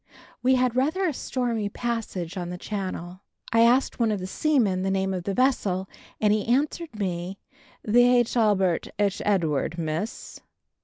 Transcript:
We had rather a stormy passage on the Channel. I asked one of the seamen the name of the vessel and he answered me "The H'Albert H'Edward, Miss!"